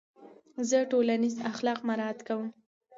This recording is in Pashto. زه ټولنیز اخلاق مراعت کوم.